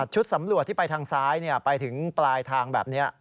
ชุดสำรวจที่ไปทางซ้ายไปถึงปลายทางแบบนี้